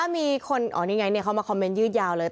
มีคนอ๋อนี่ไงเขามาคอมเมนต์ยืดยาวเลย